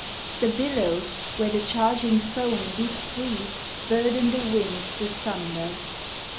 The billows, where the charging foam leaps free. Burden the winds with thunder.